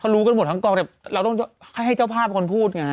รู้กันหมดทั้งกองแต่เราต้องให้เจ้าภาพคนพูดไง